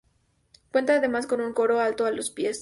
Cuenta además con un coro alto a los pies.